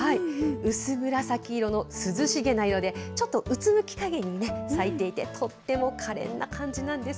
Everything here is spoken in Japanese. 薄紫色の涼しげな色で、ちょっとうつむきかげんにね、咲いていて、とってもかれんな感じなんです。